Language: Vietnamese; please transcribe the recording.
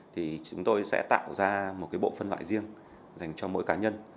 thì chúng tôi sẽ tạo ra một bộ phân loại riêng dành cho mỗi cá nhân